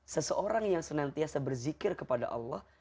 seseorang yang senantiasa berzikir kepada allah